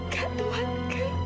kak tuhan kak